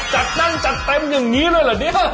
จัดแน่นจัดเต็มอย่างนี้เลยเหรอเนี่ย